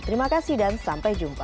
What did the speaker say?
terima kasih dan sampai jumpa